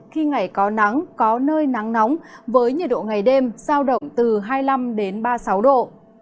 khi ngày có nắng có nơi nắng nóng với nhiệt độ ngày đêm giao động từ hai mươi năm ba mươi sáu độ